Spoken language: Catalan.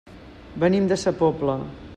Venim de sa Pobla.